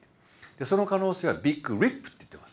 その可能性はビッグリップっていってます